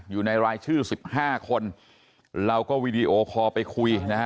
อยู่ในรายชื่อ๑๕คนเราก็วีดีโอคอลไปคุยนะฮะ